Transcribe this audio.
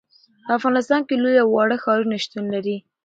په افغانستان کې لوی او واړه ښارونه شتون لري.